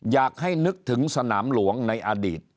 อยากให้นึกถึงสนามหลวงในอดีต